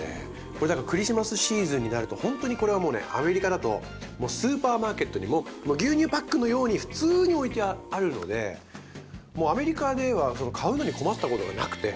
これクリスマスシーズンになるとほんとにこれはもうねアメリカだとスーパーマーケットにも牛乳パックのように普通に置いてあるのでもうアメリカでは買うのに困ったことがなくて。